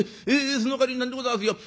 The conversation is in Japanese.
そのかわりなんでございますよ